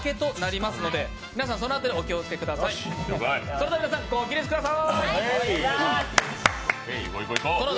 それでは皆さん、ご起立ください。